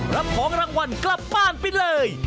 รับของรางวัลกลับบ้านไปเลย